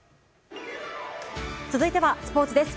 続いてはスポーツです。